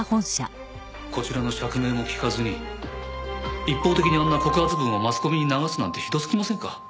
こちらの釈明も聞かずに一方的にあんな告発文をマスコミに流すなんてひどすぎませんか？